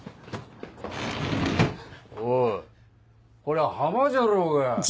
おぉこりゃ浜じゃろうが。